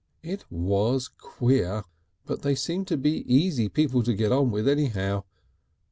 It was queer, but they seemed to be easy people to get on with anyhow.